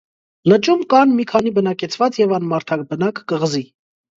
Լճում կան մի քանի բնակեցված և անմարդաբնակ կղզի։